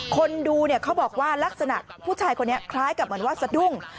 คนดูเนี่ยเขาบอกว่าลักษณะผู้ชายคนนี้คล้ายกับเหมือนว่าสะดุ้ง